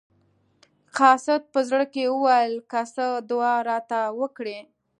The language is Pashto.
قاصد په زړه کې وویل که څه دعا راته وکړي.